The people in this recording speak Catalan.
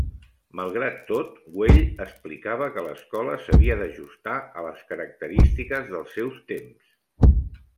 Malgrat tot, Güell explicava que l’escola s’havia d’ajustar a les característiques dels seus temps.